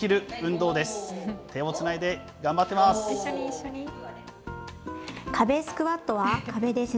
手をつないで頑張ってます。